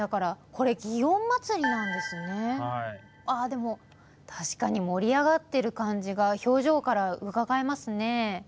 でも確かに盛り上がってる感じが表情からうかがえますね。